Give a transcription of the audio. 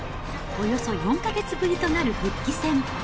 およそ４か月ぶりとなる復帰戦。